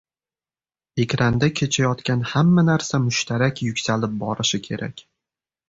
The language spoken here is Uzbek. Ekranda kechayotgan hamma narsa mushtarak yuksalib borishi kerak